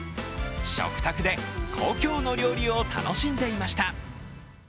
食卓で故郷の料理を楽しんでいました。